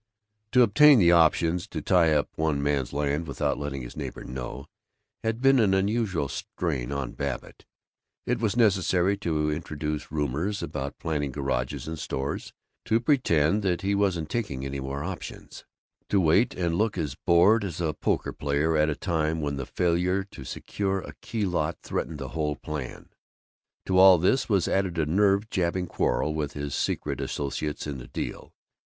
To obtain the options, to tie up one man's land without letting his neighbor know, had been an unusual strain on Babbitt. It was necessary to introduce rumors about planning garages and stores, to pretend that he wasn't taking any more options, to wait and look as bored as a poker player at a time when the failure to secure a key lot threatened his whole plan. To all this was added a nerve jabbing quarrel with his secret associates in the deal.